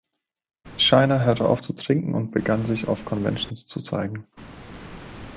Shiner hörte auf zu trinken und begann sich auf Conventions zu zeigen.